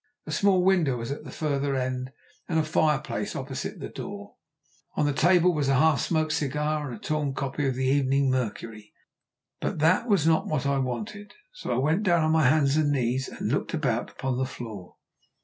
A small window was at the further end and a fireplace opposite the door. On the table was a half smoked cigar and a torn copy of the Evening Mercury. But that was not what I wanted, so I went down on my hands and knees and looked about upon the floor.